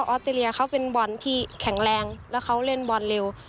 อสเตรเลียเขาเป็นบอลที่แข็งแรงแล้วเขาเล่นบอลเร็ว